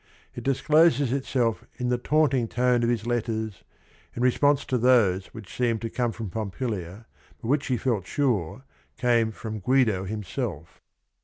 It discloses itself in the taunting tone of his letters, in response to those which seemed to come from Pompilia, but which he felt sure came from Guido himself.